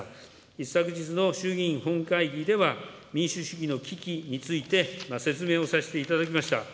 一昨日の衆議院本会議では、民主主義の危機について説明をさせていただきました。